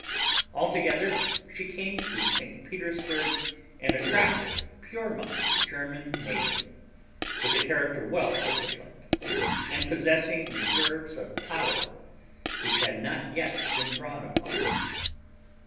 Altogether, she came to St. Petersburg an attractive, pure minded German maiden, with a character well disciplined, and possessing reserves of power which had not yet been drawn upon.